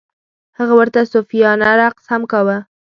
هغه ورته صوفیانه رقص هم کاوه.